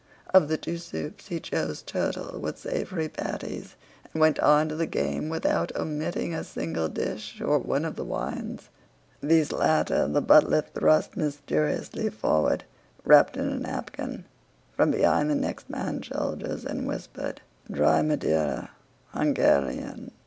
Of the two soups he chose turtle with savory patties and went on to the game without omitting a single dish or one of the wines. These latter the butler thrust mysteriously forward, wrapped in a napkin, from behind the next man's shoulders and whispered: "Dry Madeira"... "Hungarian"...